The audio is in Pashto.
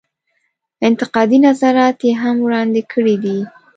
انتقادي نظرات یې هم وړاندې کړي دي.